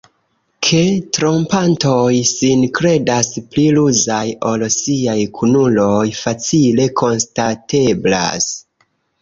Ke trompantoj sin kredas pli ruzaj ol siaj kunuloj, facile konstateblas.